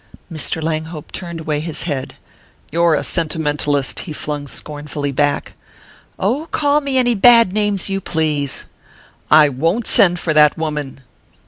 Mr. Langhope turned away his head. "You're a sentimentalist!" he flung scornfully back. "Oh, call me any bad names you please!" "I won't send for that woman!"